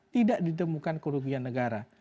tidak ditemukan kerugian negara